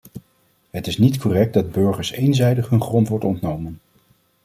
Het is niet correct dat burgers eenzijdig hun grond wordt ontnomen.